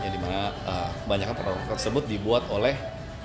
yang dimana kebanyakan produk tersebut dibuat oleh